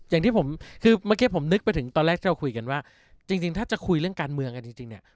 อย่างที่ผมคือเมื่อกี้ผมนึกไปถึงตอนแรกที่เราคุยกันว่าจริงถ้าจะคุยเรื่องการเมืองกันจริงเนี่ย